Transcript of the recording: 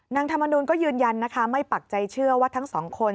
ธรรมนูลก็ยืนยันนะคะไม่ปักใจเชื่อว่าทั้งสองคน